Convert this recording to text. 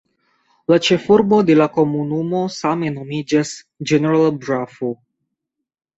La ĉefurbo de la komunumo same nomiĝas "General Bravo".